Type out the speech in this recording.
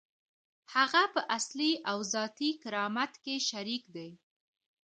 هغه په اصلي او ذاتي کرامت کې شریک دی.